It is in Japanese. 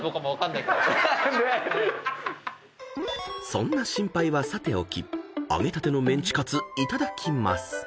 ［そんな心配はさておき揚げたてのメンチカツ頂きます］